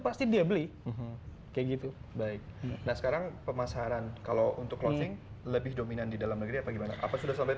nah sekarang pemasaran kalau untuk closing lebih dominan di dalam negeri apa gimana apa sudah sampai